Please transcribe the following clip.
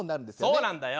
そうなんだよ。